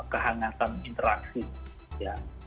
kehangatan interaksi ya